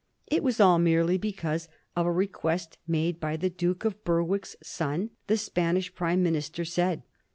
It was all merely because of a request made by the Duke of Berwick's son, the Spanish prime minister said.